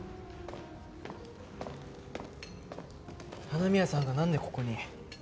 花宮さんがなんでここに？